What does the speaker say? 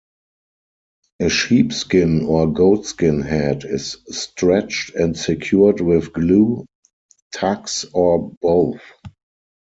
A sheepskin or goatskin head is stretched and secured with glue, tacks or both.